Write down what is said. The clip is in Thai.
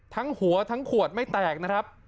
ทั้งหัวทั้งขวดไม่แตกนะครับ